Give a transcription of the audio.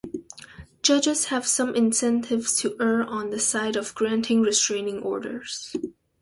Judges have some incentives to err on the side of granting restraining orders.